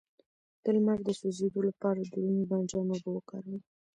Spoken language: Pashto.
د لمر د سوځیدو لپاره د رومي بانجان اوبه وکاروئ